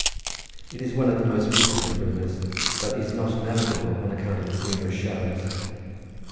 It is one of the most beautiful of rivers, but is not navigable on account of its numerous shallows.